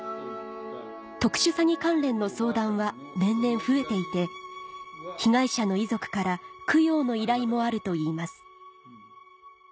特殊詐欺関連の相談は年々増えていて被害者の遺族から供養の依頼もあるといいます